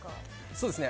そうですね。